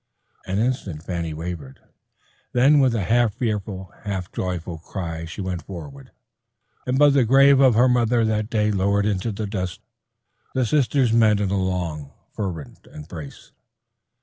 An instant Fanny wavered, then with a half fearful, half joyful cry she went forward, and by the grave of the mother that day lowered to the dust, the sisters met in a long, fervent embrace.